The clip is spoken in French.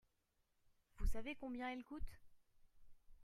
Vous savez combien elle coûte ?